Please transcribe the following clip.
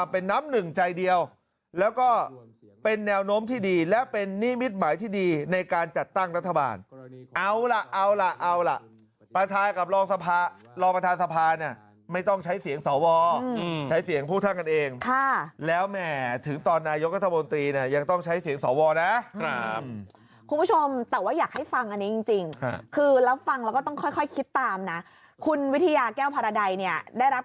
เพื่อถ่ายเสนอชื่อคนนี้ครับ